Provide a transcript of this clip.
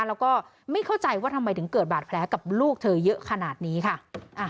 แล้วก็ไม่เข้าใจว่าทำไมถึงเกิดบาดแผลกับลูกเธอเยอะขนาดนี้ค่ะ